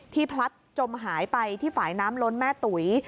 พลัดจมหายไปที่ฝ่ายน้ำล้นแม่ตุ๋ย